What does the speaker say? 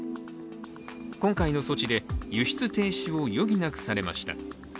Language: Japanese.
今回の措置で輸出停止を余儀なくされました。